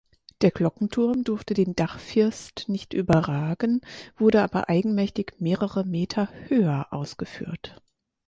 Der Glockenturm durfte den Dachfirst nicht überragen, wurde aber eigenmächtig mehrere Meter höher ausgeführt.